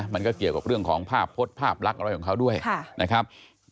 มันก็เกี่ยวกับเรื่องของภาพพจน์ภาพลักษณ์อะไรของเขาด้วยนะครับ